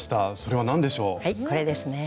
はいこれですね。